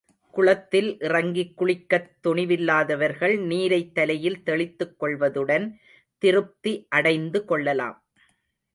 குளத்தில் இறங்கிக் குளிக்கத் துணிவில்லாதவர்கள் நீரைத் தலையில் தெளித்துக் கொள்வதுடன் திருப்தி அடைந்து கொள்ளலாம்.